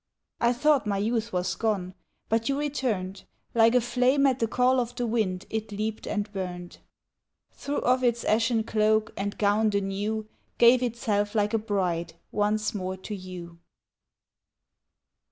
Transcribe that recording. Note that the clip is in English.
I thought my youth was gone, But you returned Like a flame at the call of the wind It leaped and burned; Threw off its ashen cloak, And gowned anew Gave itself like a bride Once more to you.